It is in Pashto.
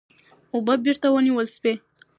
اوبه بېرته ونیول سوې.